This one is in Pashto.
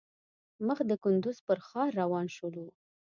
مخ د کندوز پر ښار روان شولو.